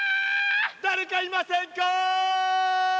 誰かいませんか？